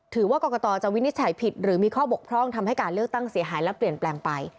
ถือว่ากรกตจะวินิจฉัยผิดหรือมีข้อบกพร่องทำให้การเลือกตั้งเสียหายและเปลี่ยนแปลงไป